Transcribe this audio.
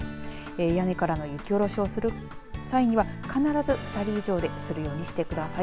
屋根からの雪下ろしをする際には必ず２人以上でするようにしてください。